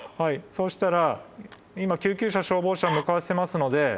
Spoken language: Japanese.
そうしたら今救急車消防車向かわせますので。